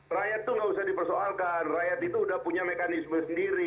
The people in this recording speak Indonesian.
rakyat itu nggak usah dipersoalkan rakyat itu udah punya mekanisme sendiri